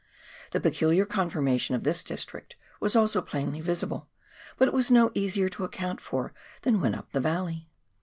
The peculiar conformation of this district was also plainly visible, but it was no easier to account for than when up the valley.